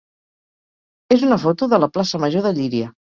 és una foto de la plaça major de Llíria.